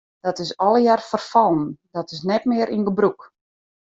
Dat is allegear ferfallen, dat is net mear yn gebrûk.